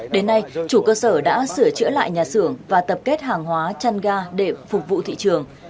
đến nay chủ cơ sở đã sửa chữa lại nhà xưởng và tập kết hàng hóa chăn ga để phục vụ thị trường